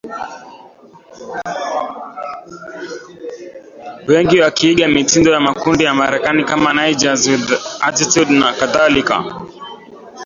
Wengi wakiiga mitindo ya makundi ya Marekani kama Niggers With Attitude na kadhalika